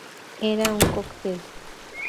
Era un cóctel.